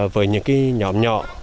với những cái nhóm nhỏ